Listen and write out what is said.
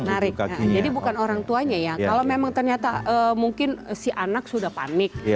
menarik jadi bukan orang tuanya ya kalau memang ternyata mungkin si anak sudah panik